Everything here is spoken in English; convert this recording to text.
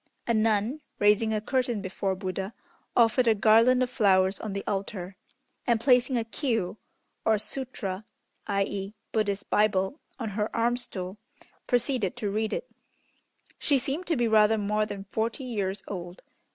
A nun, raising a curtain before Buddha, offered a garland of flowers on the altar, and placing a Kiô (or Sutra, i.e., Buddhist Bible) on her "arm stool," proceeded to read it. She seemed to be rather more than forty years old.